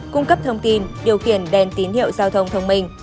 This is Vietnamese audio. cung cấp thông tin điều khiển đèn tín hiệu giao thông thông minh